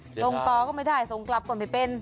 ส่งต่อก็ไม่ได้ส่งกลับก็ไม่เป็น